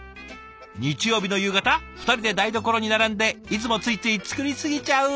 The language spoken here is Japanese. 日曜日の夕方２人で台所に並んでいつもついつい作り過ぎちゃう！